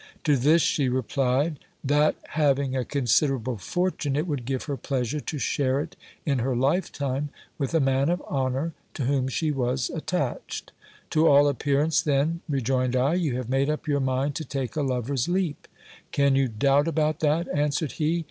To this she replied, that having a considerable fortune, it would give her pleasure to share it in her life time with a man of honour to whom she was attached. To all appearance then, rejoined I, you have made up your mind to take a lover's leap. Can you doubt about that? answered he.